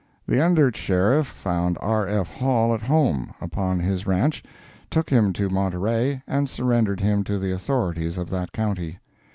The Under Sheriff found R. F. Hall at home, upon his ranch, took him to Monterey, and surrendered him to the authorities of that county.